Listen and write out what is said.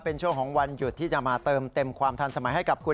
เป็นช่วงของวันหยุดที่จะมาเติมเต็มความทันสมัยให้กับคุณ